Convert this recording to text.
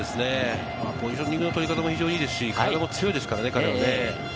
ポジショニングの取り方もいいし、体も強いですからね。